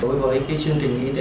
đối với cái chương trình y tế